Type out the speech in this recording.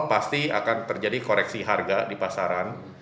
pasti akan terjadi koreksi harga di pasaran